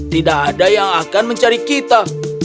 tidak ada yang akan mencari kita